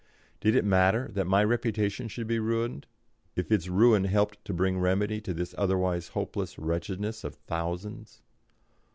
Did it matter that my reputation should be ruined, if its ruin helped to bring remedy to this otherwise hopeless wretchedness of thousands?